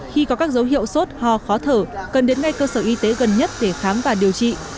khi có các dấu hiệu sốt ho khó thở cần đến ngay cơ sở y tế gần nhất để khám và điều trị